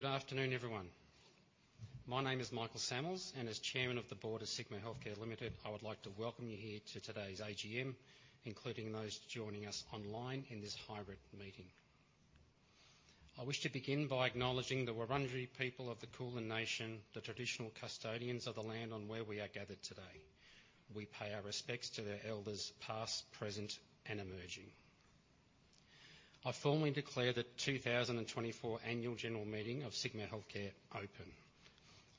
Good afternoon, everyone. My name is Michael Sammells, and as Chairman of the Board of Sigma Healthcare Limited, I would like to welcome you here to today's AGM, including those joining us online in this hybrid meeting. I wish to begin by acknowledging the Wurundjeri people of the Kulin Nation, the traditional custodians of the land on where we are gathered today. We pay our respects to their elders, past, present, and emerging. I formally declare the 2024 Annual General Meeting of Sigma Healthcare open.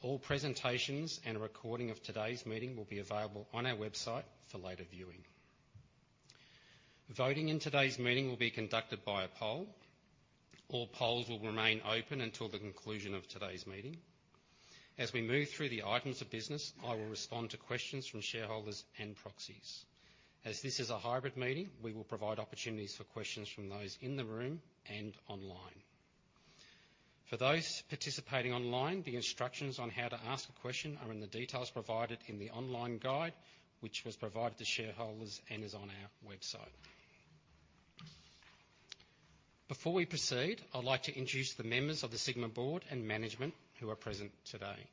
All presentations and a recording of today's meeting will be available on our website for later viewing. Voting in today's meeting will be conducted by a poll. All polls will remain open until the conclusion of today's meeting. As we move through the items of business, I will respond to questions from shareholders and proxies. As this is a hybrid meeting, we will provide opportunities for questions from those in the room and online. For those participating online, the instructions on how to ask a question are in the details provided in the online guide, which was provided to shareholders and is on our website. Before we proceed, I'd like to introduce the members of the Sigma board and management who are present today.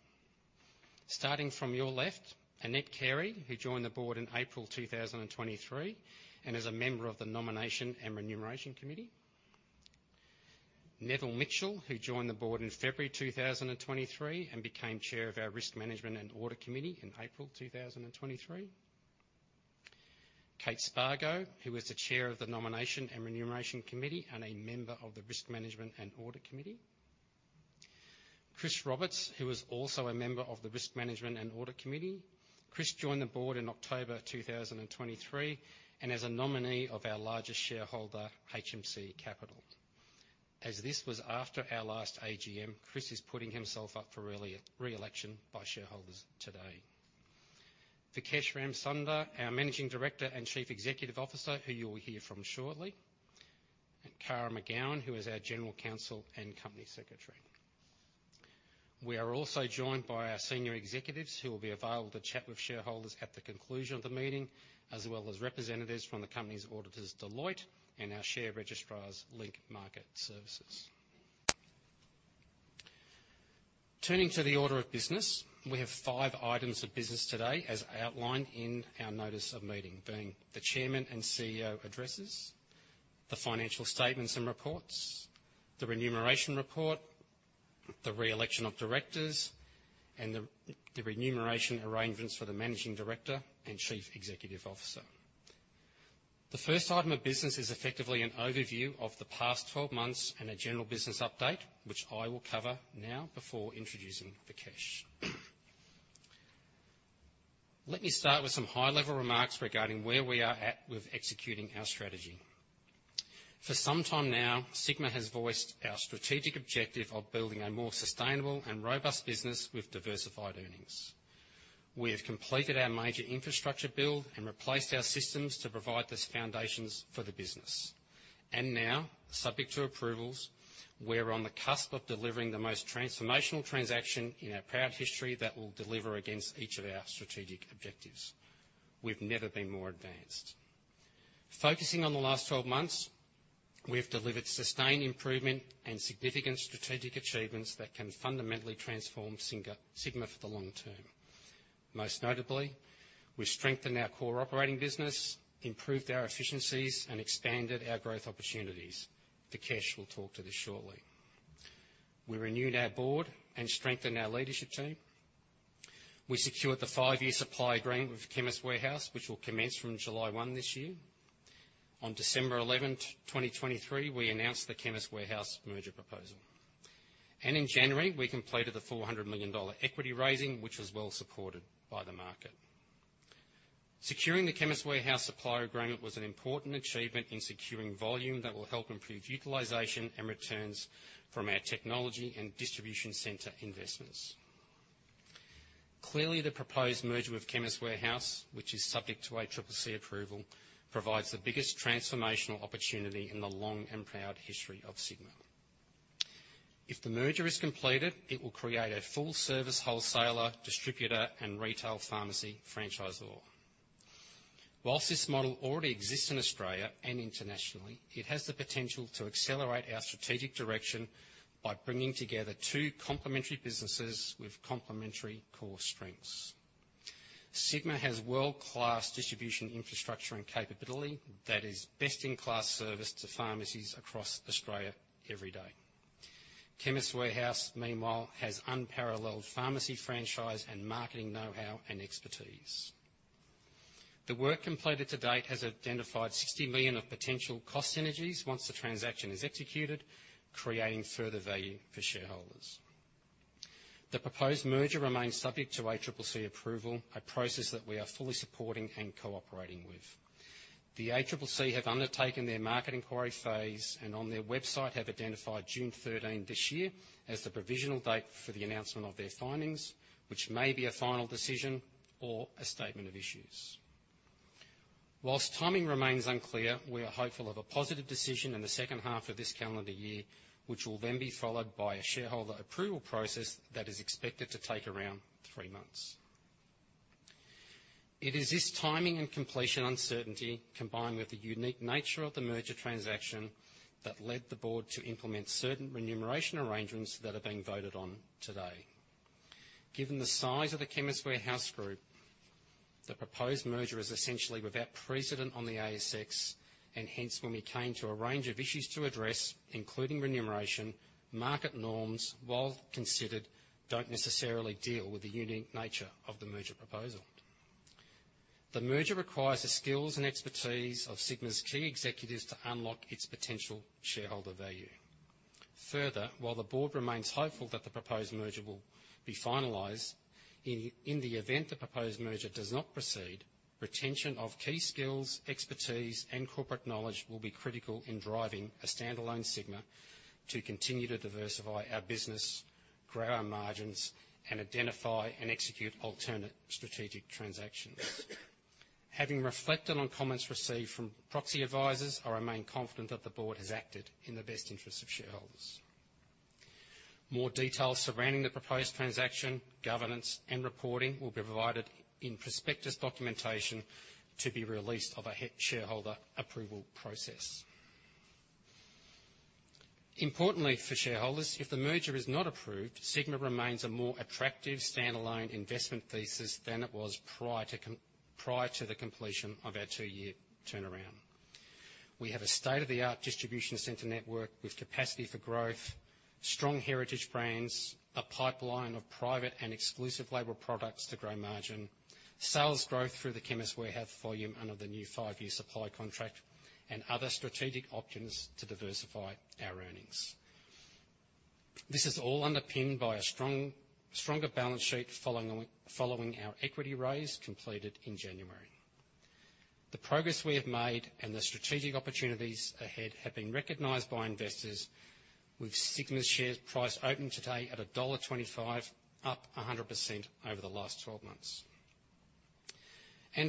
Starting from your left, Annette Carey, who joined the board in April 2023, and is a member of the Nomination and Remuneration Committee. Neville Mitchell, who joined the board in February 2023, and became Chair of our Risk Management and Audit Committee in April 2023. Kate Spargo, who is the Chair of the Nomination and Remuneration Committee and a member of the Risk Management and Audit Committee. Chris Roberts, who is also a member of the Risk Management and Audit Committee. Chris joined the board in October 2023, and is a nominee of our largest shareholder, HMC Capital. As this was after our last AGM, Chris is putting himself up for re-election by shareholders today. Vikesh Ramsunder, our Managing Director and Chief Executive Officer, who you will hear from shortly, and Kara McGowan, who is our General Counsel and Company Secretary. We are also joined by our senior executives, who will be available to chat with shareholders at the conclusion of the meeting, as well as representatives from the company's auditors, Deloitte, and our share registrars, Link Market Services. Turning to the order of business, we have five items of business today, as outlined in our notice of meeting, being the chairman and CEO addresses, the financial statements and reports, the remuneration report, the re-election of directors, and the remuneration arrangements for the Managing Director and Chief Executive Officer. The first item of business is effectively an overview of the past twelve months and a general business update, which I will cover now before introducing Vikesh. Let me start with some high-level remarks regarding where we are at with executing our strategy. For some time now, Sigma has voiced our strategic objective of building a more sustainable and robust business with diversified earnings. We have completed our major infrastructure build and replaced our systems to provide these foundations for the business. Now, subject to approvals, we're on the cusp of delivering the most transformational transaction in our proud history that will deliver against each of our strategic objectives. We've never been more advanced. Focusing on the last 12 months, we have delivered sustained improvement and significant strategic achievements that can fundamentally transform Sigma, Sigma for the long term. Most notably, we strengthened our core operating business, improved our efficiencies, and expanded our growth opportunities. Vikesh will talk to this shortly. We renewed our board and strengthened our leadership team. We secured the 5-year supply agreement with Chemist Warehouse, which will commence from July 1 this year. On December 11, 2023, we announced the Chemist Warehouse merger proposal. In January, we completed the 400 million dollar equity raising, which was well-supported by the market. Securing the Chemist Warehouse supply agreement was an important achievement in securing volume that will help improve utilization and returns from our technology and distribution center investments. Clearly, the proposed merger with Chemist Warehouse, which is subject to ACCC approval, provides the biggest transformational opportunity in the long and proud history of Sigma. If the merger is completed, it will create a full-service wholesaler, distributor, and retail pharmacy franchisor. While this model already exists in Australia and internationally, it has the potential to accelerate our strategic direction by bringing together two complementary businesses with complementary core strengths. Sigma has world-class distribution, infrastructure, and capability that is best-in-class service to pharmacies across Australia every day. Chemist Warehouse, meanwhile, has unparalleled pharmacy, franchise, and marketing know-how and expertise. The work completed to date has identified 60 million of potential cost synergies once the transaction is executed, creating further value for shareholders. The proposed merger remains subject to ACCC approval, a process that we are fully supporting and cooperating with. The ACCC have undertaken their market inquiry phase, and on their website, have identified June 13 this year as the provisional date for the announcement of their findings, which may be a final decision or a statement of issues. While timing remains unclear, we are hopeful of a positive decision in the second half of this calendar year, which will then be followed by a shareholder approval process that is expected to take around three months... It is this timing and completion uncertainty, combined with the unique nature of the merger transaction, that led the board to implement certain remuneration arrangements that are being voted on today. Given the size of the Chemist Warehouse Group, the proposed merger is essentially without precedent on the ASX, and hence, when we came to a range of issues to address, including remuneration, market norms, while considered, don't necessarily deal with the unique nature of the merger proposal. The merger requires the skills and expertise of Sigma's key executives to unlock its potential shareholder value. Further, while the board remains hopeful that the proposed merger will be finalized, in the event the proposed merger does not proceed, retention of key skills, expertise, and corporate knowledge will be critical in driving a standalone Sigma to continue to diversify our business, grow our margins, and identify and execute alternate strategic transactions. Having reflected on comments received from proxy advisors, I remain confident that the board has acted in the best interest of shareholders. More details surrounding the proposed transaction, governance, and reporting will be provided in prospectus documentation to be released of a shareholder approval process. Importantly for shareholders, if the merger is not approved, Sigma remains a more attractive standalone investment thesis than it was prior to the completion of our two-year turnaround. We have a state-of-the-art distribution center network with capacity for growth, strong heritage brands, a pipeline of private and exclusive label products to grow margin, sales growth through the Chemist Warehouse volume under the new five-year supply contract, and other strategic options to diversify our earnings. This is all underpinned by a stronger balance sheet following our equity raise completed in January. The progress we have made and the strategic opportunities ahead have been recognized by investors, with Sigma's share price opening today at dollar 1.25, up 100% over the last 12 months.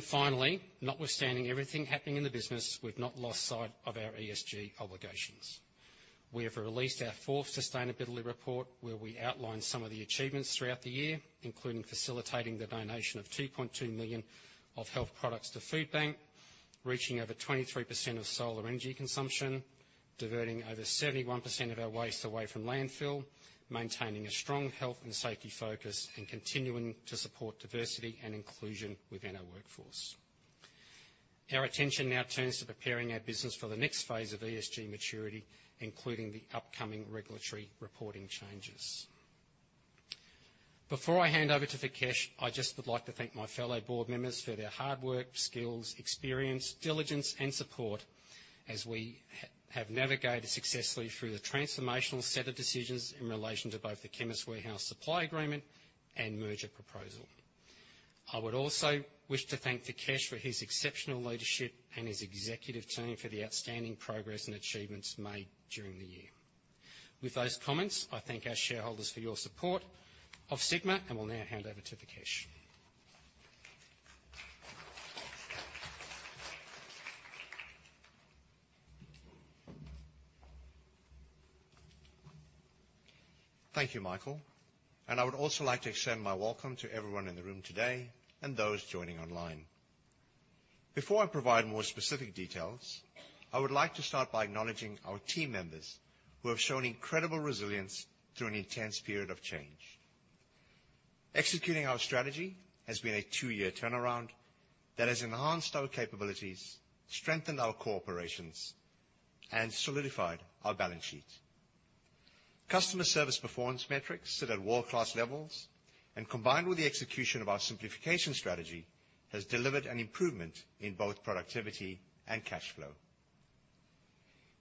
Finally, notwithstanding everything happening in the business, we've not lost sight of our ESG obligations. We have released our fourth sustainability report, where we outline some of the achievements throughout the year, including facilitating the donation of 2.2 million of health products to Foodbank, reaching over 23% of solar energy consumption, diverting over 71% of our waste away from landfill, maintaining a strong health and safety focus, and continuing to support diversity and inclusion within our workforce. Our attention now turns to preparing our business for the next phase of ESG maturity, including the upcoming regulatory reporting changes. Before I hand over to Vikesh, I just would like to thank my fellow board members for their hard work, skills, experience, diligence, and support, as we have navigated successfully through the transformational set of decisions in relation to both the Chemist Warehouse supply agreement and merger proposal. I would also wish to thank Vikesh for his exceptional leadership and his executive team for the outstanding progress and achievements made during the year. With those comments, I thank our shareholders for your support of Sigma, and will now hand over to Vikesh. Thank you, Michael, and I would also like to extend my welcome to everyone in the room today and those joining online. Before I provide more specific details, I would like to start by acknowledging our team members, who have shown incredible resilience through an intense period of change. Executing our strategy has been a two-year turnaround that has enhanced our capabilities, strengthened our cooperations, and solidified our balance sheet. Customer service performance metrics sit at world-class levels, and combined with the execution of our simplification strategy, has delivered an improvement in both productivity and cash flow.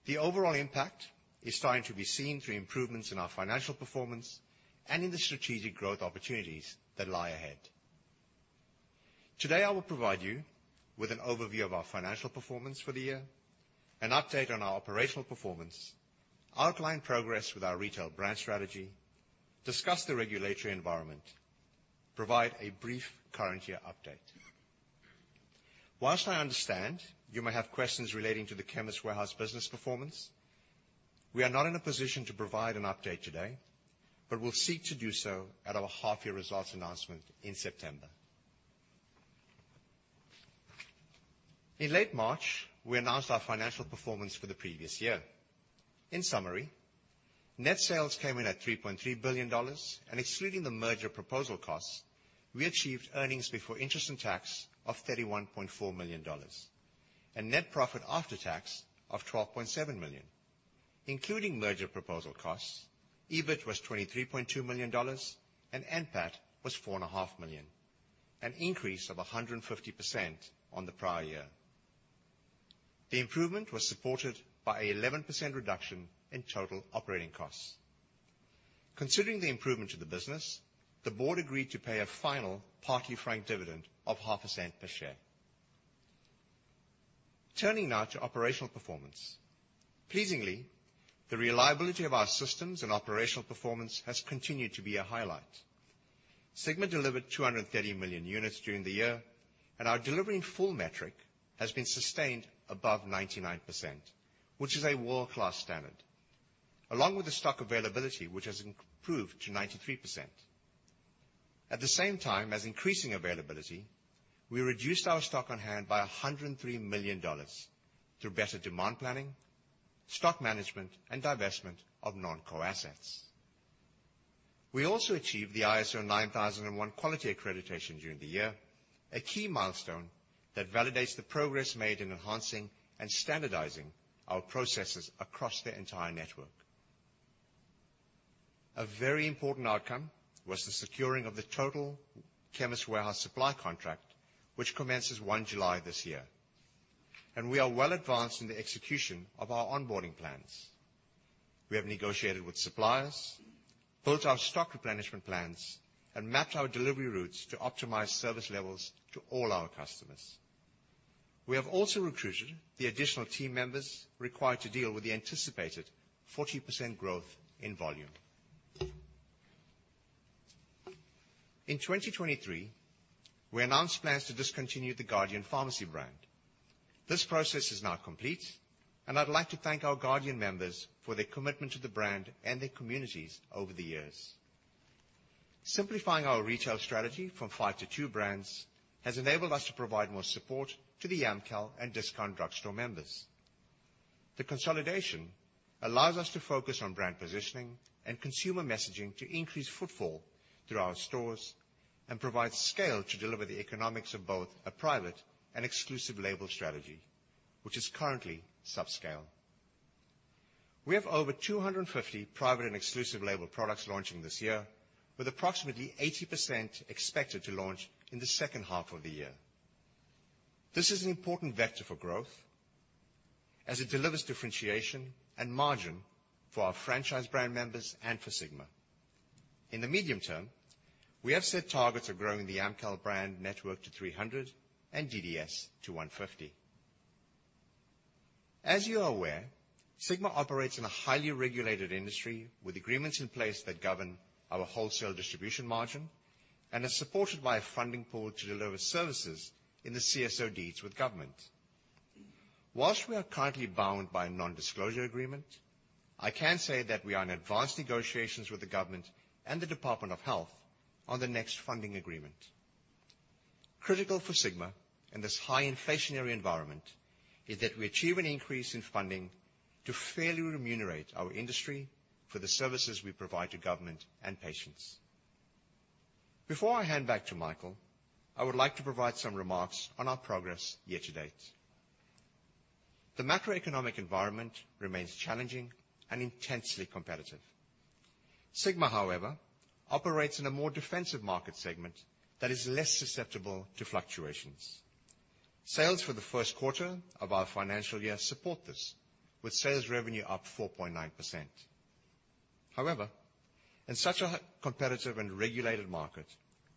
The overall impact is starting to be seen through improvements in our financial performance and in the strategic growth opportunities that lie ahead. Today, I will provide you with an overview of our financial performance for the year, an update on our operational performance, outline progress with our retail brand strategy, discuss the regulatory environment, provide a brief current year update. While I understand you may have questions relating to the Chemist Warehouse business performance, we are not in a position to provide an update today, but we'll seek to do so at our half-year results announcement in September. In late March, we announced our financial performance for the previous year. In summary, net sales came in at 3.3 billion dollars, and excluding the merger proposal costs, we achieved earnings before interest and tax of 31.4 million dollars and net profit after tax of 12.7 million. Including merger proposal costs, EBIT was 23.2 million dollars, and NPAT was 4.5 million, an increase of 150% on the prior year. The improvement was supported by an 11% reduction in total operating costs. Considering the improvement to the business, the board agreed to pay a final partly frank dividend of AUD 0.005 per share. Turning now to operational performance. Pleasingly, the reliability of our systems and operational performance has continued to be a highlight. Sigma delivered 230 million units during the year, and our delivery in full metric has been sustained above 99%, which is a world-class standard, along with the stock availability, which has improved to 93%. At the same time as increasing availability, we reduced our stock on hand by AUD 103 million through better demand planning, stock management, and divestment of non-core assets. We also achieved the ISO 9001 quality accreditation during the year, a key milestone that validates the progress made in enhancing and standardizing our processes across the entire network. A very important outcome was the securing of the total Chemist Warehouse supply contract, which commences 1 July this year, and we are well advanced in the execution of our onboarding plans. We have negotiated with suppliers, built our stock replenishment plans, and mapped our delivery routes to optimize service levels to all our customers. We have also recruited the additional team members required to deal with the anticipated 40% growth in volume. In 2023, we announced plans to discontinue the Guardian Pharmacy brand. This process is now complete, and I'd like to thank our Guardian members for their commitment to the brand and their communities over the years. Simplifying our retail strategy from five to two brands has enabled us to provide more support to the Amcal and Discount Drug Store members. The consolidation allows us to focus on brand positioning and consumer messaging to increase footfall through our stores, and provide scale to deliver the economics of both a private and exclusive label strategy, which is currently subscale. We have over 250 private and exclusive label products launching this year, with approximately 80% expected to launch in the second half of the year. This is an important vector for growth, as it delivers differentiation and margin for our franchise brand members and for Sigma. In the medium term, we have set targets of growing the Amcal brand network to 300 and DDS to 150. As you are aware, Sigma operates in a highly regulated industry, with agreements in place that govern our wholesale distribution margin and is supported by a funding pool to deliver services in the CSO Deeds with government. While we are currently bound by a non-disclosure agreement, I can say that we are in advanced negotiations with the government and the Department of Health on the next funding agreement. Critical for Sigma, in this high inflationary environment, is that we achieve an increase in funding to fairly remunerate our industry for the services we provide to government and patients. Before I hand back to Michael, I would like to provide some remarks on our progress year to date. The macroeconomic environment remains challenging and intensely competitive. Sigma, however, operates in a more defensive market segment that is less susceptible to fluctuations. Sales for the first quarter of our financial year support this, with sales revenue up 4.9%. However, in such a competitive and regulated market,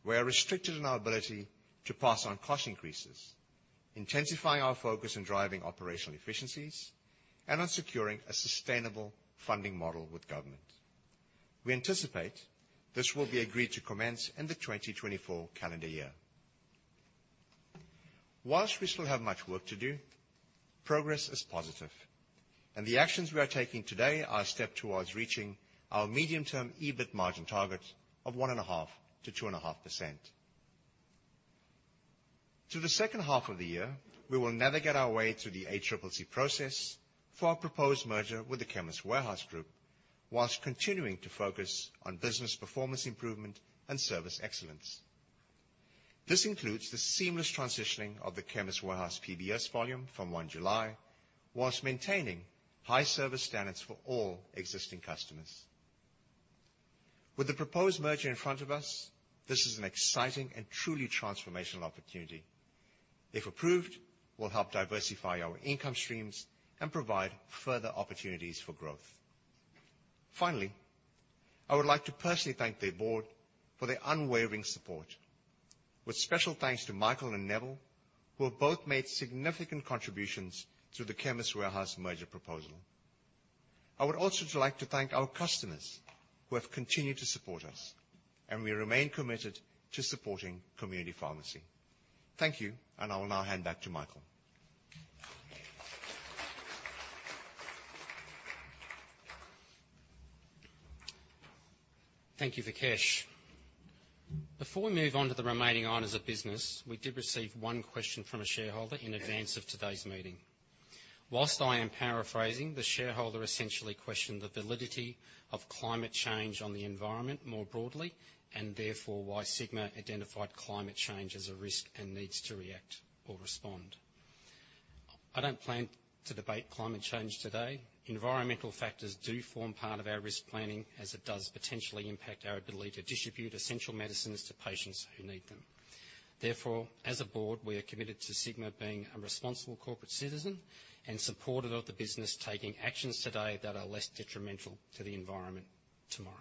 we are restricted in our ability to pass on cost increases, intensifying our focus on driving operational efficiencies and on securing a sustainable funding model with government. We anticipate this will be agreed to commence in the 2024 calendar year. While we still have much work to do, progress is positive, and the actions we are taking today are a step towards reaching our medium-term EBIT margin target of 1.5%-2.5%. To the second half of the year, we will navigate our way through the ACCC process for our proposed merger with the Chemist Warehouse Group, while continuing to focus on business performance improvement and service excellence. This includes the seamless transitioning of the Chemist Warehouse PBS volume from 1 July, while maintaining high service standards for all existing customers. With the proposed merger in front of us, this is an exciting and truly transformational opportunity. If approved, it will help diversify our income streams and provide further opportunities for growth. Finally, I would like to personally thank the board for their unwavering support, with special thanks to Michael and Neville, who have both made significant contributions to the Chemist Warehouse merger proposal. I would also like to thank our customers who have continued to support us, and we remain committed to supporting community pharmacy. Thank you, and I will now hand back to Michael. Thank you, Vikesh. Before we move on to the remaining orders of business, we did receive one question from a shareholder in advance of today's meeting. While I am paraphrasing, the shareholder essentially questioned the validity of climate change on the environment more broadly, and therefore, why Sigma identified climate change as a risk and needs to react or respond. I don't plan to debate climate change today. Environmental factors do form part of our risk planning, as it does potentially impact our ability to distribute essential medicines to patients who need them. Therefore, as a board, we are committed to Sigma being a responsible corporate citizen and supportive of the business taking actions today that are less detrimental to the environment tomorrow.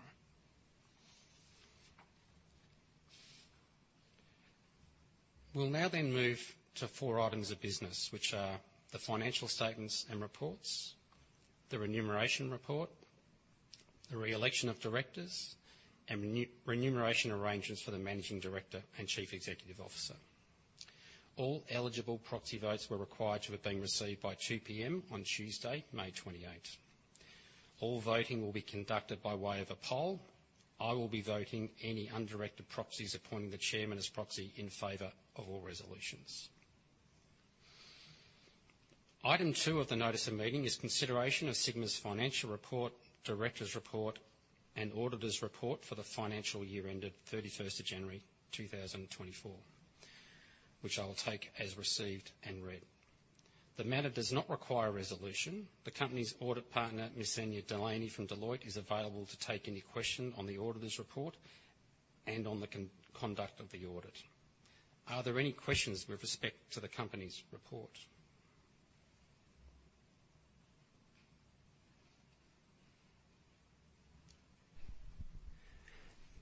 We'll now then move to four items of business, which are: the financial statements and reports, the remuneration report, the re-election of directors, and remuneration arrangements for the Managing Director and Chief Executive Officer. All eligible proxy votes were required to have been received by 2:00 P.M. on Tuesday, May 28. All voting will be conducted by way of a poll. I will be voting any undirected proxies, appointing the Chairman as proxy in favor of all resolutions. Item 2 of the notice of meeting is consideration of Sigma's financial report, directors' report, and auditors' report for the financial year ended 31st of January 2024, which I'll take as received and read. The matter does not require resolution. The company's audit partner, Marzena Delaney from Deloitte, is available to take any question on the auditors' report and on the conduct of the audit. Are there any questions with respect to the company's report?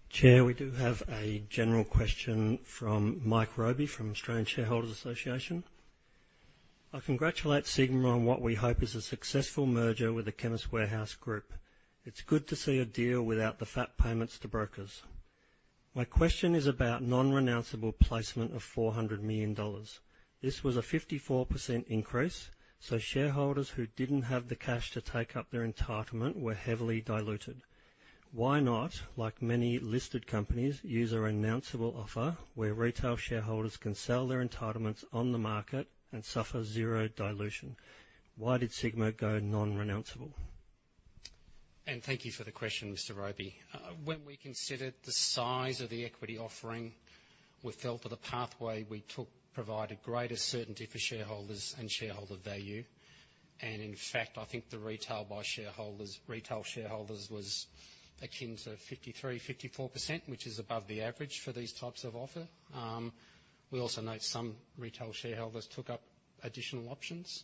Chair, we do have a general question from Mike Robey from Australian Shareholders' Association. "I congratulate Sigma on what we hope is a successful merger with the Chemist Warehouse Group. It's good to see a deal without the fat payments to brokers. My question is about non-renounceable placement of 400 million dollars. This was a 54% increase, so shareholders who didn't have the cash to take up their entitlement were heavily diluted. Why not, like many listed companies, use a renounceable offer, where retail shareholders can sell their entitlements on the market and suffer zero dilution? Why did Sigma go non-renounceable? Thank you for the question, Mr. Robey. When we considered the size of the equity offering, we felt that the pathway we took provided greater certainty for shareholders and shareholder value. In fact, I think the retail buy shareholders, retail shareholders was akin to 53%-54%, which is above the average for these types of offer. We also note some retail shareholders took up additional options.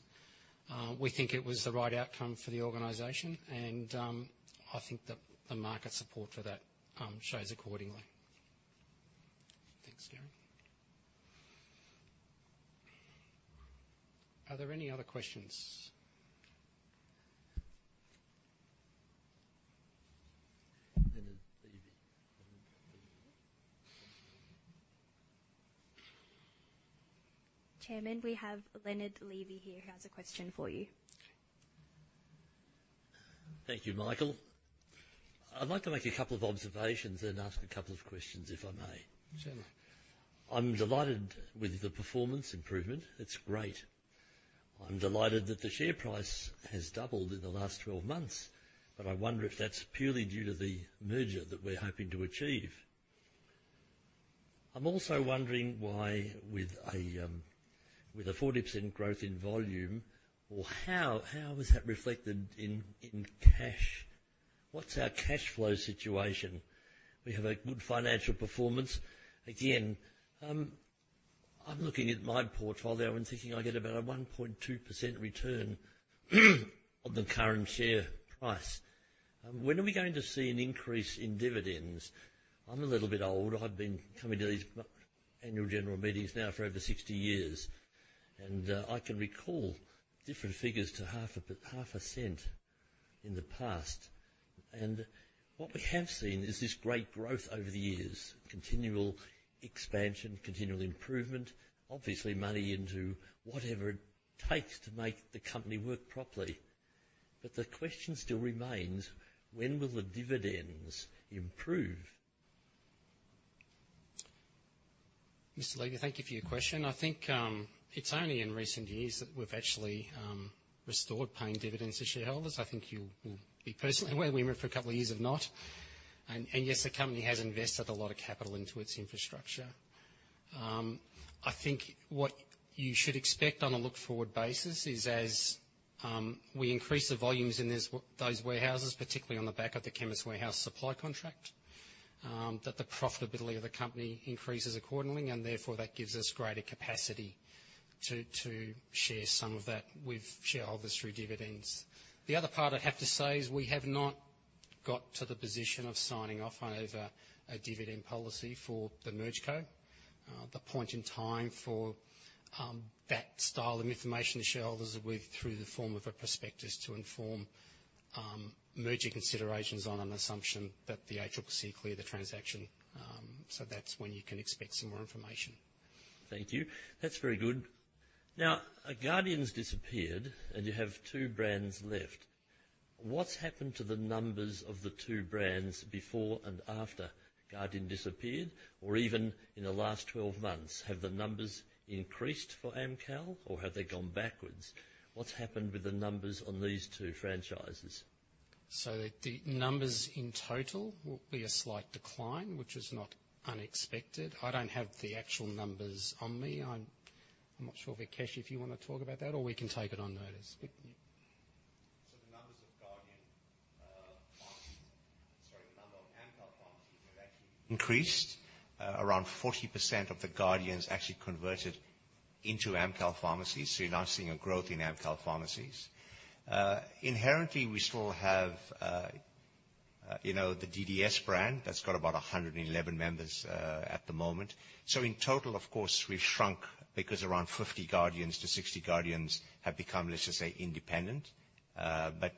We think it was the right outcome for the organization, and I think that the market support for that shows accordingly. Thanks, Gary. Are there any other questions? Leonard Levy. Chairman, we have Leonard Levy here, who has a question for you. Thank you, Michael. I'd like to make a couple of observations, then ask a couple of questions, if I may? Certainly. I'm delighted with the performance improvement. It's great. I'm delighted that the share price has doubled in the last 12 months, but I wonder if that's purely due to the merger that we're hoping to achieve. I'm also wondering why, with a, with a 40% growth in volume, or how is that reflected in cash? What's our cash flow situation? We have a good financial performance. Again, I'm looking at my portfolio and thinking I get about a 1.2% return on the current share price. When are we going to see an increase in dividends? I'm a little bit old. I've been coming to these annual general meetings now for over 60 years, and I can recall different figures to AUD 0.005 in the past. What we have seen is this great growth over the years, continual expansion, continual improvement, obviously money into whatever it takes to make the company work properly. The question still remains: when will the dividends improve? Mr. Levy, thank you for your question. I think it's only in recent years that we've actually restored paying dividends to shareholders. I think you will be personally aware we went for a couple of years of not, and yes, the company has invested a lot of capital into its infrastructure. I think what you should expect on a look-forward basis is, as we increase the volumes in those warehouses, particularly on the back of the Chemist Warehouse supply contract, that the profitability of the company increases accordingly, and therefore that gives us greater capacity to share some of that with shareholders through dividends. The other part, I have to say, is we have not got to the position of signing off over a dividend policy for the MergeCo. The point in time for that style of information to shareholders will be through the form of a prospectus to inform merging considerations on an assumption that the ACCC clear the transaction. That's when you can expect some more information. Thank you. That's very good. Now, Guardian's disappeared, and you have two brands left. What's happened to the numbers of the two brands before and after Guardian disappeared, or even in the last 12 months? Have the numbers increased for Amcal, or have they gone backwards? What's happened with the numbers on these two franchises? So the numbers in total will be a slight decline, which is not unexpected. I don't have the actual numbers on me. I'm not sure, Vikesh, if you want to talk about that, or we can take it on notice. But you- So the numbers of Guardian pharmacy. Sorry, the number of Amcal pharmacies have actually increased. Around 40% of the Guardians actually converted into Amcal pharmacies, so you're now seeing a growth in Amcal pharmacies. Inherently, we still have, you know, the DDS brand that's got about 111 members at the moment. So in total, of course, we've shrunk because around 50 Guardians to 60 Guardians have become, let's just say, independent. But-...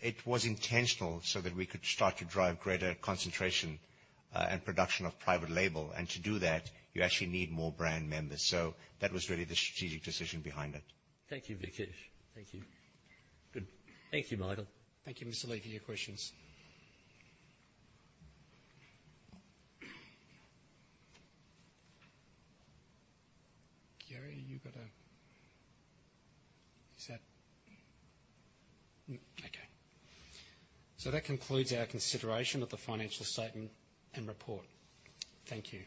It was intentional so that we could start to drive greater concentration, and production of private label. To do that, you actually need more brand members. That was really the strategic decision behind it. Thank you, Vikesh. Thank you. Good. Thank you, Michael. Thank you, Mr. Levy, for your questions. Gary, you got a? Is that? Okay. That concludes our consideration of the financial statement and report. Thank you.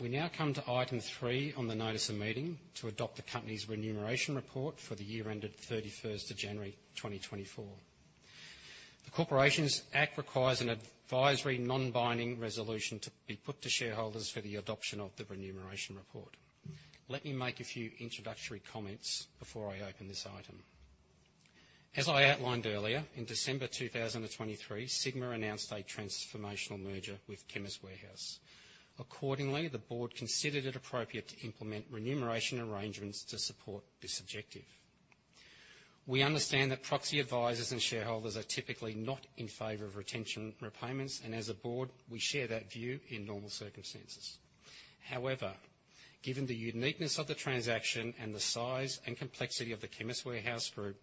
We now come to item 3 on the notice of meeting to adopt the company's remuneration report for the year ended 31st of January 2024. The Corporations Act requires an advisory, non-binding resolution to be put to shareholders for the adoption of the remuneration report. Let me make a few introductory comments before I open this item. As I outlined earlier, in December 2023, Sigma announced a transformational merger with Chemist Warehouse. Accordingly, the board considered it appropriate to implement remuneration arrangements to support this objective. We understand that proxy advisors and shareholders are typically not in favor of retention repayments, and as a board, we share that view in normal circumstances. However, given the uniqueness of the transaction and the size and complexity of the Chemist Warehouse group,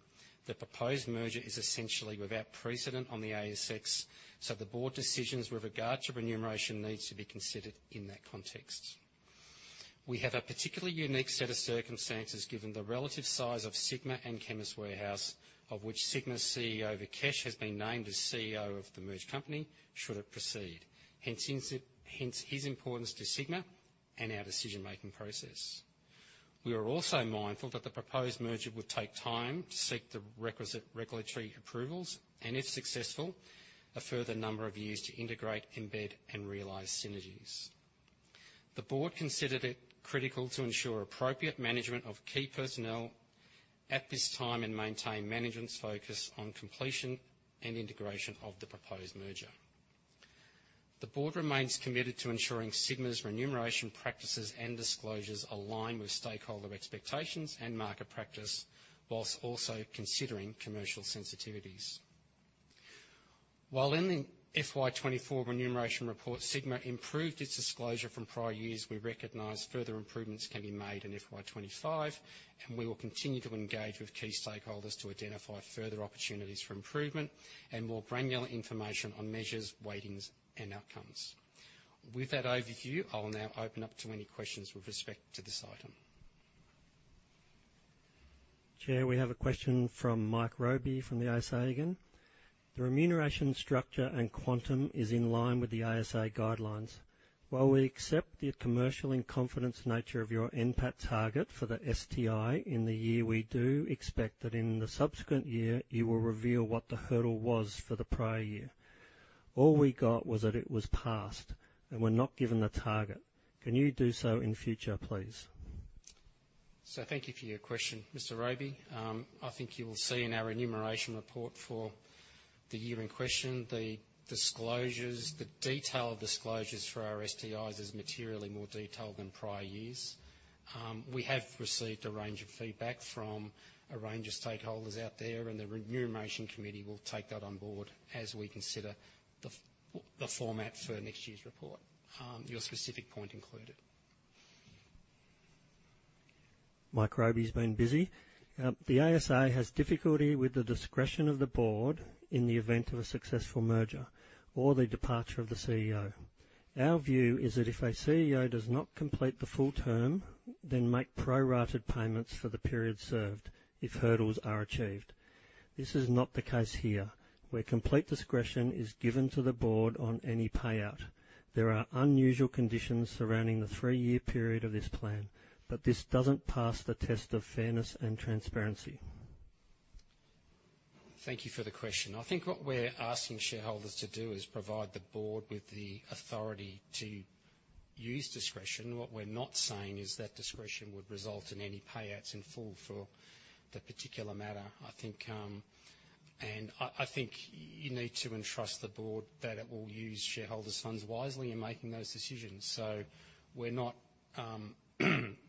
the proposed merger is essentially without precedent on the ASX, so the board decisions with regard to remuneration needs to be considered in that context. We have a particularly unique set of circumstances, given the relative size of Sigma and Chemist Warehouse, of which Sigma's CEO, Vikesh, has been named as CEO of the merged company, should it proceed, hence his importance to Sigma and our decision-making process. We are also mindful that the proposed merger would take time to seek the requisite regulatory approvals, and if successful, a further number of years to integrate, embed, and realize synergies. The board considered it critical to ensure appropriate management of key personnel at this time and maintain management's focus on completion and integration of the proposed merger. The board remains committed to ensuring Sigma's remuneration practices and disclosures align with stakeholder expectations and market practice, while also considering commercial sensitivities. While in the FY 2024 remuneration report, Sigma improved its disclosure from prior years, we recognize further improvements can be made in FY 2025, and we will continue to engage with key stakeholders to identify further opportunities for improvement and more granular information on measures, weightings, and outcomes. With that overview, I'll now open up to any questions with respect to this item. Chair, we have a question from Mike Robey, from the ASA again. The remuneration structure and quantum is in line with the ASA guidelines. While we accept the commercial and confidence nature of your NPAT target for the STI in the year, we do expect that in the subsequent year, you will reveal what the hurdle was for the prior year. All we got was that it was passed, and we're not given the target. Can you do so in future, please? So thank you for your question, Mr. Robey. I think you will see in our remuneration report for the year in question, the disclosures, the detailed disclosures for our STIs is materially more detailed than prior years. We have received a range of feedback from a range of stakeholders out there, and the Remuneration Committee will take that on board as we consider the format for next year's report, your specific point included. Mike Robey's been busy. The ASA has difficulty with the discretion of the board in the event of a successful merger or the departure of the CEO. Our view is that if a CEO does not complete the full term, then make prorated payments for the period served, if hurdles are achieved. This is not the case here, where complete discretion is given to the board on any payout. There are unusual conditions surrounding the three-year period of this plan, but this doesn't pass the test of fairness and transparency. Thank you for the question. I think what we're asking shareholders to do is provide the board with the authority to use discretion. What we're not saying is that discretion would result in any payouts in full for the particular matter. I think, and I, I think you need to entrust the board that it will use shareholders' funds wisely in making those decisions. So we're not,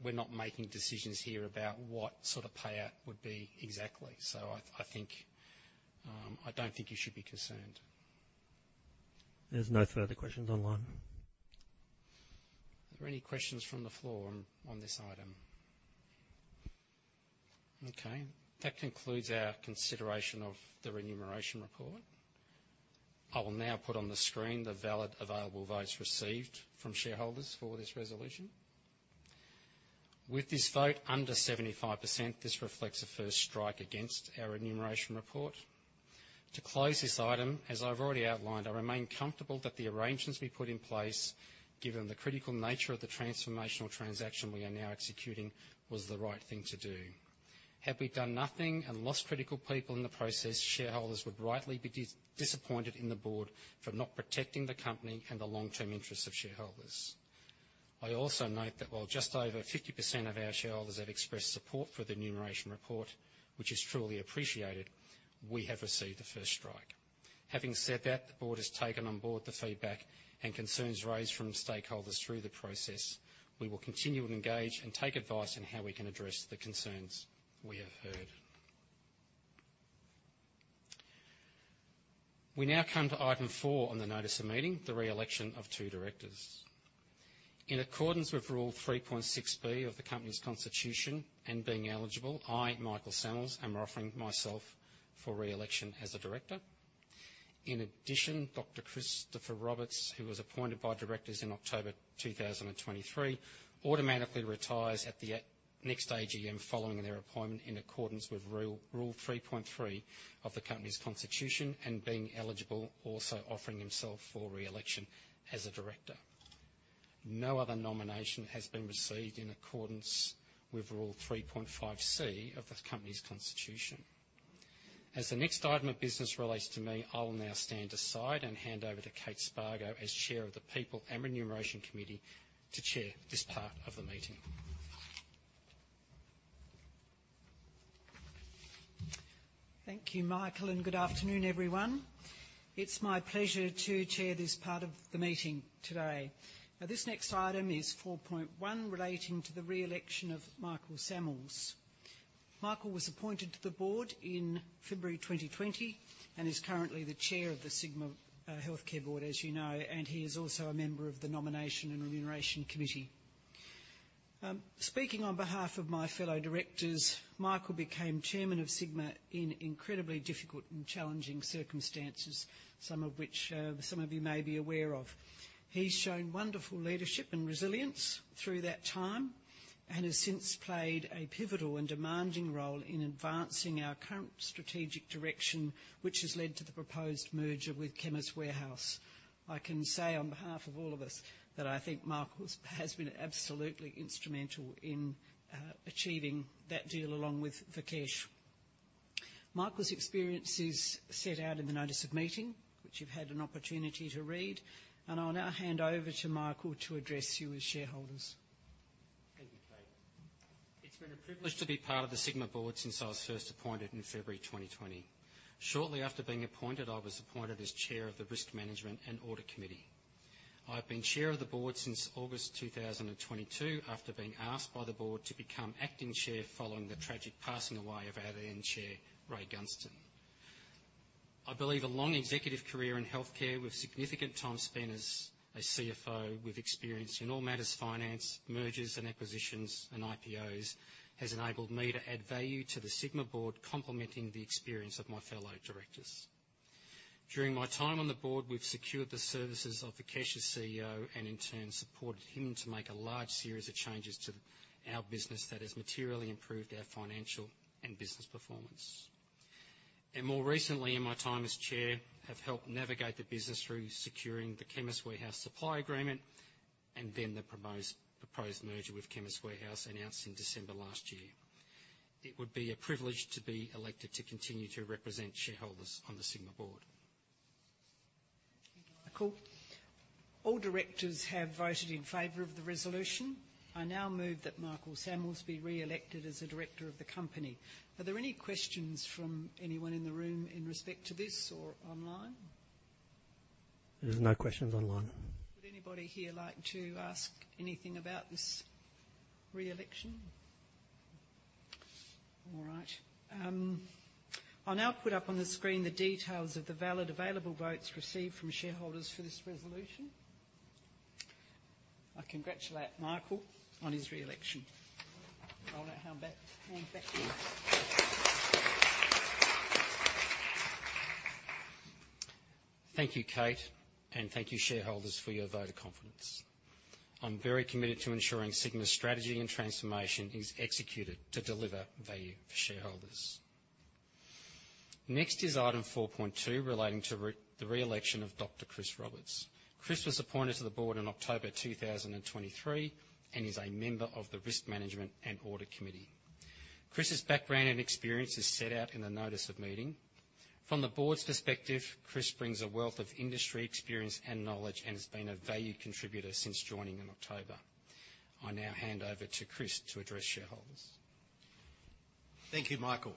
we're not making decisions here about what sort of payout would be exactly. So I, I think, I don't think you should be concerned. There's no further questions online. Are there any questions from the floor on this item? Okay, that concludes our consideration of the remuneration report. I will now put on the screen the valid available votes received from shareholders for this resolution. With this vote under 75%, this reflects a first strike against our remuneration report. To close this item, as I've already outlined, I remain comfortable that the arrangements we put in place, given the critical nature of the transformational transaction we are now executing, was the right thing to do. Had we done nothing and lost critical people in the process, shareholders would rightly be disappointed in the board for not protecting the company and the long-term interests of shareholders. I also note that while just over 50% of our shareholders have expressed support for the remuneration report, which is truly appreciated, we have received a first strike. Having said that, the board has taken on board the feedback and concerns raised from stakeholders through the process. We will continue to engage and take advice on how we can address the concerns we have heard. We now come to item four on the notice of meeting, the re-election of two directors. In accordance with Rule 3.6B of the company's constitution, and being eligible, I, Michael Sammells, am offering myself for re-election as a director. In addition, Dr. Christopher Roberts, who was appointed by directors in October 2023, automatically retires at the next AGM following their appointment in accordance with rule 3.3 of the company's constitution, and being eligible, also offering himself for re-election as a director. No other nomination has been received in accordance with Rule 3.5C of the company's constitution. As the next item of business relates to me, I will now stand aside and hand over to Kate Spargo as Chair of the People and Remuneration Committee, to chair this part of the meeting. Thank you, Michael, and good afternoon, everyone. It's my pleasure to chair this part of the meeting today. Now, this next item is 4.1, relating to the re-election of Michael Sammells. Michael was appointed to the board in February 2020, and is currently the Chair of the Sigma Healthcare Board, as you know, and he is also a member of the Nomination and Remuneration Committee. Speaking on behalf of my fellow directors, Michael became Chairman of Sigma in incredibly difficult and challenging circumstances, some of which some of you may be aware of. He's shown wonderful leadership and resilience through that time, and has since played a pivotal and demanding role in advancing our current strategic direction, which has led to the proposed merger with Chemist Warehouse. I can say on behalf of all of us that I think Michael has been absolutely instrumental in achieving that deal along with Vikesh. Michael's experience is set out in the notice of meeting, which you've had an opportunity to read, and I'll now hand over to Michael to address you as shareholders. Thank you, Kate. It's been a privilege to be part of the Sigma board since I was first appointed in February 2020. Shortly after being appointed, I was appointed as Chair of the Risk Management and Audit Committee. I've been Chair of the board since August 2022, after being asked by the board to become acting chair, following the tragic passing away of our then Chair, Ray Gunston. I believe a long executive career in healthcare, with significant time spent as a CFO, with experience in all matters finance, mergers and acquisitions, and IPOs, has enabled me to add value to the Sigma board, complementing the experience of my fellow directors. During my time on the board, we've secured the services of Vikesh as CEO, and in turn, supported him to make a large series of changes to our business that has materially improved our financial and business performance. More recently, in my time as Chair, have helped navigate the business through securing the Chemist Warehouse supply agreement and then the proposed, proposed merger with Chemist Warehouse, announced in December last year. It would be a privilege to be elected to continue to represent shareholders on the Sigma board. Thank you, Michael. All directors have voted in favor of the resolution. I now move that Michael Sammells be re-elected as a director of the company. Are there any questions from anyone in the room in respect to this or online? There's no questions online. Would anybody here like to ask anything about this re-election? All right. I'll now put up on the screen the details of the valid available votes received from shareholders for this resolution. I congratulate Michael on his re-election. I'll now hand back to you. Thank you, Kate, and thank you, shareholders, for your vote of confidence. I'm very committed to ensuring Sigma's strategy and transformation is executed to deliver value for shareholders. Next is item 4.2, relating to the re-election of Dr. Chris Roberts. Chris was appointed to the board in October 2023, and is a member of the Risk Management and Audit Committee. Chris's background and experience is set out in the notice of meeting. From the board's perspective, Chris brings a wealth of industry experience and knowledge and has been a valued contributor since joining in October. I now hand over to Chris to address shareholders. Thank you, Michael.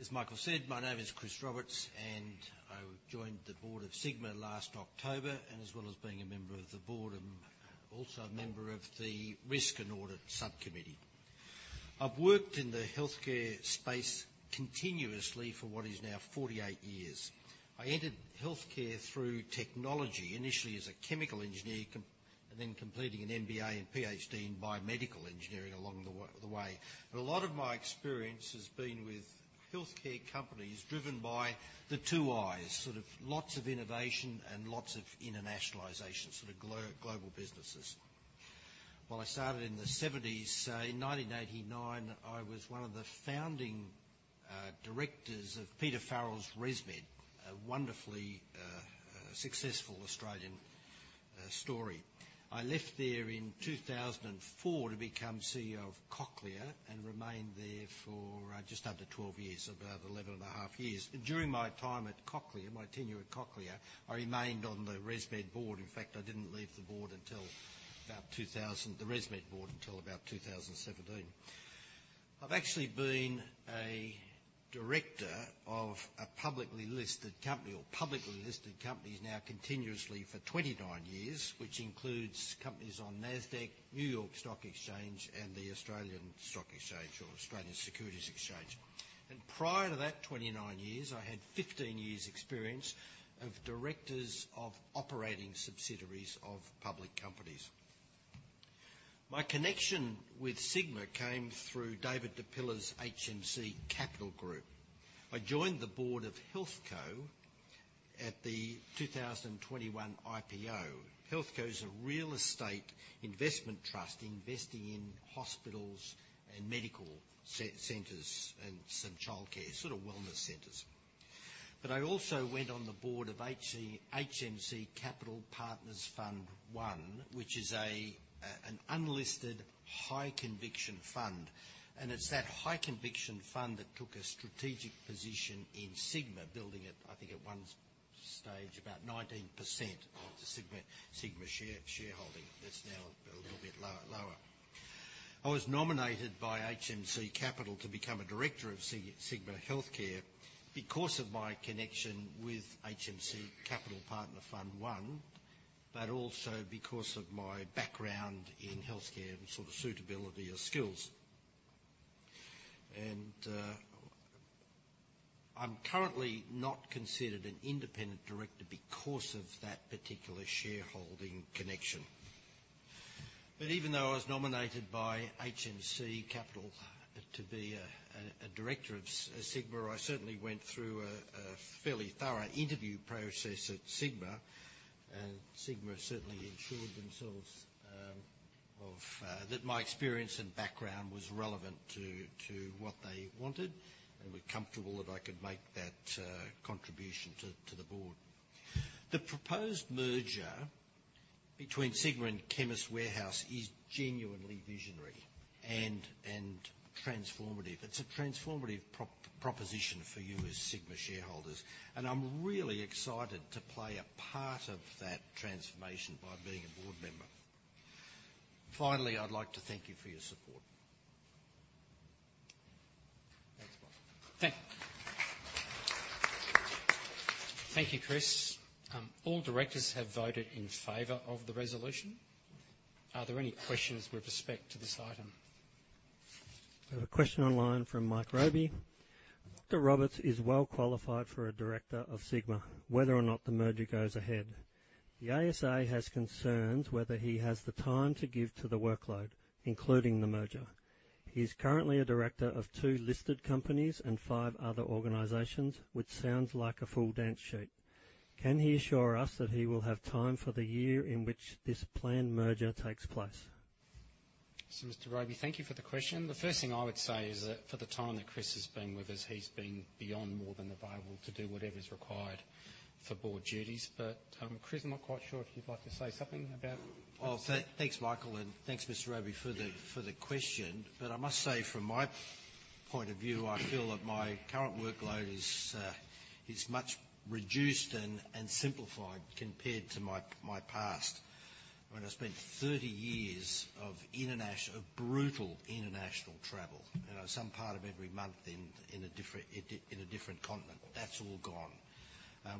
As Michael said, my name is Chris Roberts, and I joined the board of Sigma last October, and as well as being a member of the board, I'm also a member of the Risk and Audit Subcommittee. I've worked in the healthcare space continuously for what is now 48 years. I entered healthcare through technology, initially as a chemical engineer, and then completing an MBA and PhD in biomedical engineering along the way. But a lot of my experience has been with healthcare companies driven by the two Is, sort of lots of innovation and lots of internationalization, sort of global businesses. Well, I started in the 1970s. In 1989, I was one of the founding directors of Peter Farrell's ResMed, a wonderfully successful Australian story. I left there in 2004 to become CEO of Cochlear and remained there for just under 12 years, about 11.5 years. During my time at Cochlear, my tenure at Cochlear, I remained on the ResMed board. In fact, I didn't leave the board until about 2000-- the ResMed board, until about 2017. I've actually been a director of a publicly listed company or publicly listed companies now continuously for 29 years, which includes companies on NASDAQ, New York Stock Exchange, and the Australian Stock Exchange or Australian Securities Exchange. Prior to that 29 years, I had 15 years' experience of directors of operating subsidiaries of public companies. My connection with Sigma came through David Di Pilla's HMC Capital. I joined the board of HealthCo at the 2021 IPO. HealthCo is a real estate investment trust, investing in hospitals and medical centers and some childcare, sort of wellness centers. But I also went on the board of HMC Capital Partners Fund One, which is a, an unlisted high conviction fund, and it's that high conviction fund that took a strategic position in Sigma, building it, I think, at one stage, about 19% of the Sigma shareholding. That's now a little bit lower. I was nominated by HMC Capital to become a director of Sigma Healthcare because of my connection with HMC Capital Partner Fund One, but also because of my background in healthcare and sort of suitability or skills. And I'm currently not considered an independent director because of that particular shareholding connection. But even though I was nominated by HMC Capital to be a director of Sigma, I certainly went through a fairly thorough interview process at Sigma, and Sigma certainly ensured themselves of that my experience and background was relevant to what they wanted and were comfortable that I could make that contribution to the board. The proposed merger between Sigma and Chemist Warehouse is genuinely visionary and transformative. It's a transformative proposition for you as Sigma shareholders, and I'm really excited to play a part of that transformation by being a board member. Finally, I'd like to thank you for your support. Thanks, Michael. Thank you, Chris. All directors have voted in favor of the resolution. Are there any questions with respect to this item? I have a question online from Mike Robey: "Dr. Roberts is well qualified for a director of Sigma, whether or not the merger goes ahead. The ASA has concerns whether he has the time to give to the workload, including the merger. He is currently a director of two listed companies and five other organizations, which sounds like a full dance sheet. Can he assure us that he will have time for the year in which this planned merger takes place? So Mr. Robey, thank you for the question. The first thing I would say is that for the time that Chris has been with us, he's been beyond more than available to do whatever is required for board duties. But, Chris, I'm not quite sure if you'd like to say something about- Well, thanks, Michael, and thanks, Mr. Robey, for the question. But I must say, from my point of view, I feel that my current workload is much reduced and simplified compared to my past. When I spent 30 years of brutal international travel, and I was some part of every month in a different continent, that's all gone.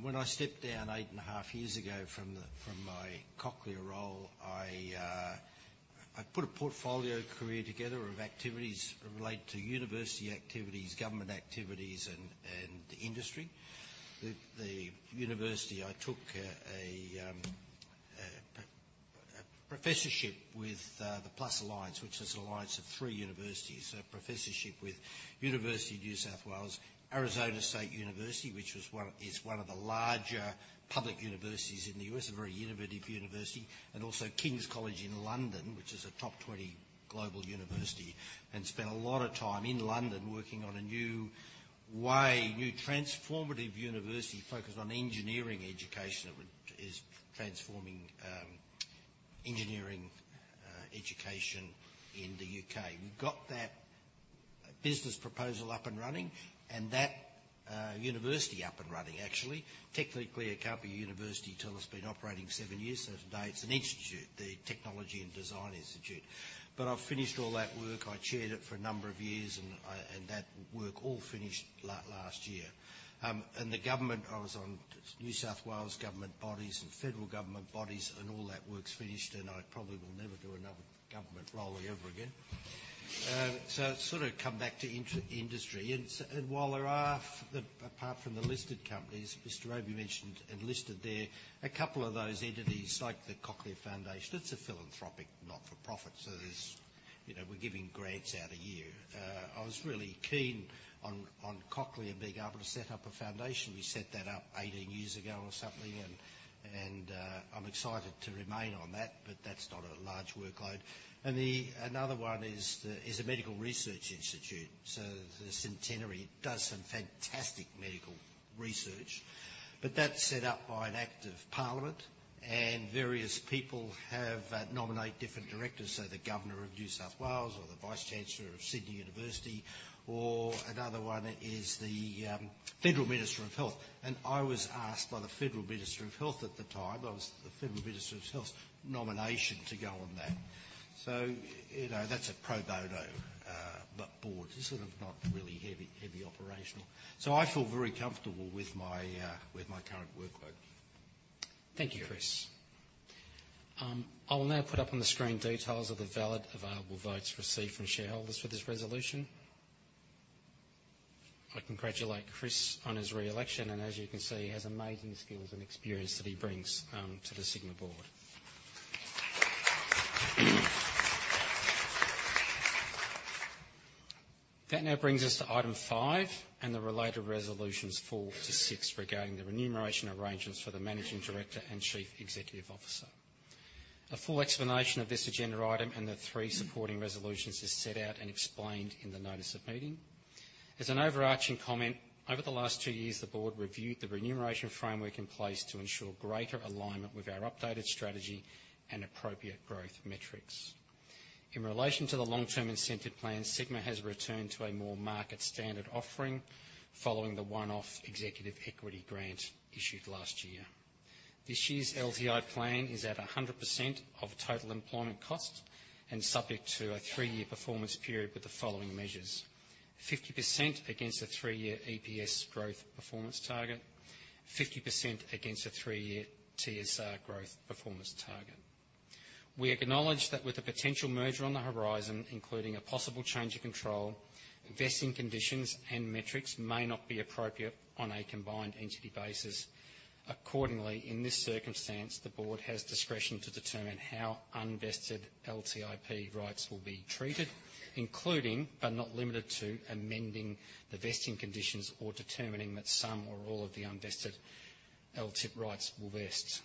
When I stepped down 8.5 years ago from my Cochlear role, I put a portfolio career together of activities related to university activities, government activities, and industry. The university, I took a professorship with the Plus Alliance, which is an alliance of three universities, a professorship with University of New South Wales, Arizona State University, which was one... is one of the larger public universities in the US, a very innovative university, and also King's College London, which is a top 20 global university, and spent a lot of time in London working on a new way, new transformative university focused on engineering education, that is transforming engineering education in the UK. We got that business proposal up and running and that, university up and running, actually. Technically, it can't be a university till it's been operating seven years, so today it's an institute, the Engineering and Design Institute. But I've finished all that work. I chaired it for a number of years, and I, and that work all finished last year. And the government, I was on New South Wales government bodies and federal government bodies, and all that work's finished, and I probably will never do another government role ever again. So sort of come back to industry. And while there are, apart from the listed companies, Mr. Robey mentioned and listed there, a couple of those entities, like the Cochlear Foundation, it's a philanthropic, not-for-profit, so there's, you know, we're giving grants out a year. I was really keen on Cochlear being able to set up a foundation. We set that up 18 years ago or something, and I'm excited to remain on that, but that's not a large workload. And another one is a medical research institute. So the Centenary Institute does some fantastic medical research, but that's set up by an act of Parliament, and various people have nominate different directors, so the Governor of New South Wales or the Vice Chancellor of Sydney University or another one is the Federal Minister of Health. And I was asked by the Federal Minister of Health at the time, I was the Federal Minister of Health's nomination to go on that. So, you know, that's a pro bono board. It's sort of not really heavy, heavy operational. So I feel very comfortable with my with my current workload. Thank you, Chris. I will now put up on the screen details of the valid available votes received from shareholders for this resolution. I congratulate Chris on his re-election, and as you can see, he has amazing skills and experience that he brings to the Sigma board. That now brings us to item 5 and the related resolutions 4-6 regarding the remuneration arrangements for the Managing Director and Chief Executive Officer. A full explanation of this agenda item and the 3 supporting resolutions is set out and explained in the notice of meeting. As an overarching comment, over the last 2 years, the board reviewed the remuneration framework in place to ensure greater alignment with our updated strategy and appropriate growth metrics. In relation to the long-term incentive plan, Sigma has returned to a more market standard offering following the one-off executive equity grant issued last year. This year's LTI plan is at 100% of total employment cost and subject to a three-year performance period with the following measures: 50% against a three-year EPS growth performance target, 50% against a three-year TSR growth performance target. We acknowledge that with the potential merger on the horizon, including a possible change of control, vesting conditions and metrics may not be appropriate on a combined entity basis. Accordingly, in this circumstance, the board has discretion to determine how unvested LTIP rights will be treated, including, but not limited to, amending the vesting conditions or determining that some or all of the unvested LTIP rights will vest.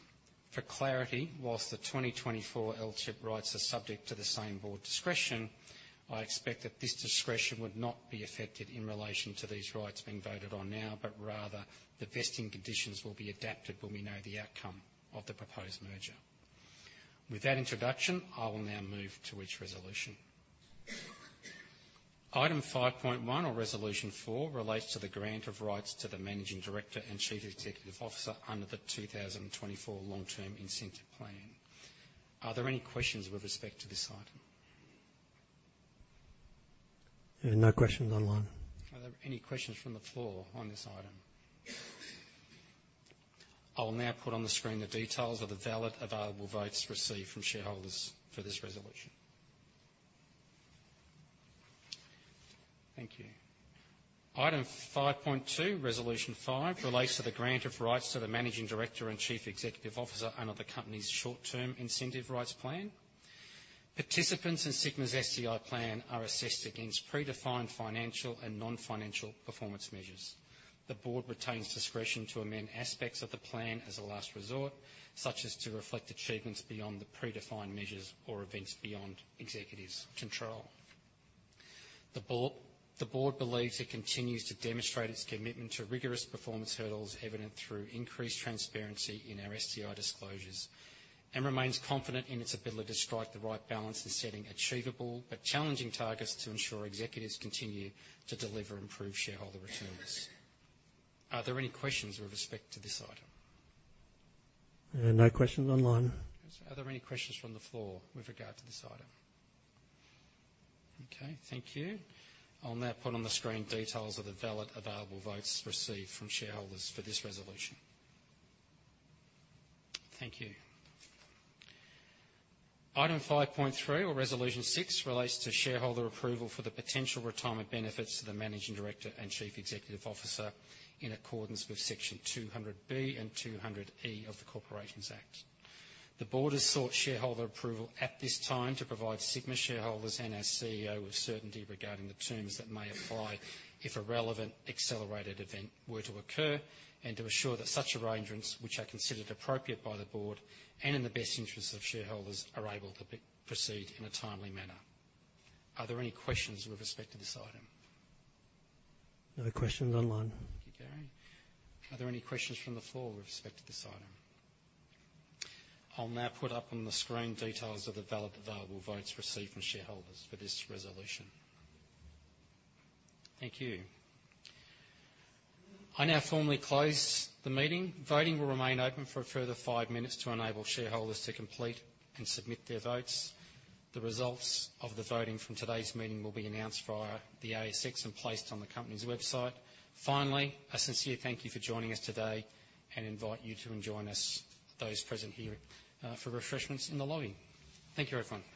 For clarity, while the 2024 LTIP rights are subject to the same board discretion, I expect that this discretion would not be affected in relation to these rights being voted on now, but rather the vesting conditions will be adapted when we know the outcome of the proposed merger. With that introduction, I will now move to each resolution. Item 5.1 or Resolution 4 relates to the grant of rights to the Managing Director and Chief Executive Officer under the 2024 long-term incentive plan. Are there any questions with respect to this item? There are no questions online. Are there any questions from the floor on this item? I will now put on the screen the details of the valid available votes received from shareholders for this resolution. Thank you. Item 5.2, Resolution 5, relates to the grant of rights to the Managing Director and Chief Executive Officer under the company's Short-Term Incentive Rights Plan. Participants in Sigma's STI Plan are assessed against predefined financial and non-financial performance measures. The board retains discretion to amend aspects of the plan as a last resort, such as to reflect achievements beyond the predefined measures or events beyond executives' control. The board believes it continues to demonstrate its commitment to rigorous performance hurdles evident through increased transparency in our STI disclosures and remains confident in its ability to strike the right balance in setting achievable but challenging targets to ensure executives continue to deliver improved shareholder returns. Are there any questions with respect to this item? No questions online. Are there any questions from the floor with regard to this item? Okay, thank you. I'll now put on the screen details of the valid available votes received from shareholders for this resolution. Thank you. Item 5.3 or Resolution 6 relates to shareholder approval for the potential retirement benefits to the managing director and chief executive officer in accordance with Section 200B and 200E of the Corporations Act. The board has sought shareholder approval at this time to provide Sigma shareholders and our CEO with certainty regarding the terms that may apply if a relevant accelerated event were to occur, and to assure that such arrangements, which are considered appropriate by the board and in the best interests of shareholders, are able to be proceed in a timely manner. Are there any questions with respect to this item? No questions online. Thank you, Gary. Are there any questions from the floor with respect to this item? I'll now put up on the screen details of the valid available votes received from shareholders for this resolution. Thank you. I now formally close the meeting. Voting will remain open for a further five minutes to enable shareholders to complete and submit their votes. The results of the voting from today's meeting will be announced via the ASX and placed on the company's website. Finally, a sincere thank you for joining us today, and invite you to join us, those present here, for refreshments in the lobby. Thank you, everyone.